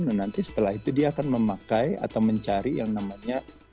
nah nanti setelah itu dia akan memakai atau mencari yang namanya